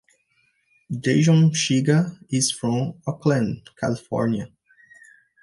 Jason Shiga is from Oakland, California.